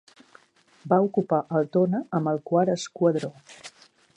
Va ocupar Altona amb el IV esquadró.